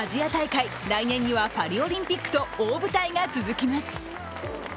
今年９月にアジア大会来年にはパリオリンピックと大舞台が続きます。